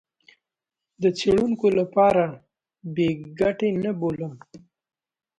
د څېړونکو لپاره بې ګټې نه بولم.